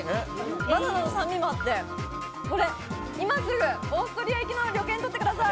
バナナの酸味もあって、今すぐオーストリア行きの旅券取ってください。